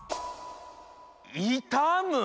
「いたむ」？